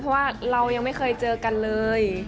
เพราะว่าเรายังไม่เคยเจอกันเลย